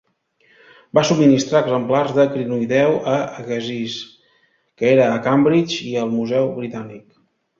Va subministrar exemplars de crinoïdeu a Agassiz, que era a Cambridge, i al Museu Britànic.